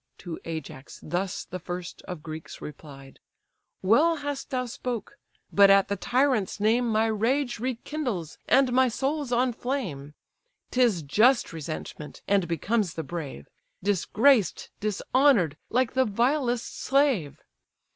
(To Ajax thus the first of Greeks replied) Well hast thou spoke; but at the tyrant's name My rage rekindles, and my soul's on flame: 'Tis just resentment, and becomes the brave: Disgraced, dishonour'd, like the vilest slave!